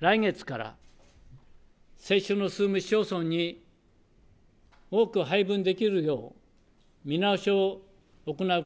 来月から接種の進む市町村に多く配分できるよう、見直しを行う。